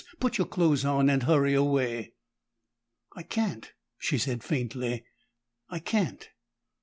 Put your clothes on and hurry away!" "I can't!" she said, faintly. "I can't!"